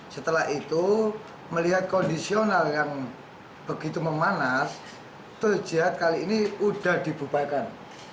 setelah itu melihat kondisional yang begitu memanas tol jihad kali ini sudah dibubarkan